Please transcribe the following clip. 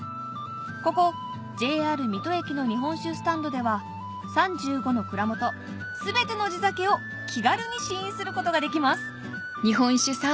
ここＪＲ水戸駅の日本酒スタンドでは３５の蔵元全ての地酒を気軽に試飲することができますえ